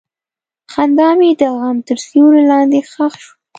خندا مې د غم تر سیوري لاندې ښخ شوه.